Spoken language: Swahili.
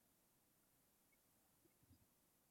Mnamo miaka ya hivi karibuni idhaa imepanuka